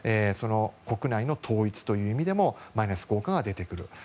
国内の統一という意味でもマイナス効果が出てくる。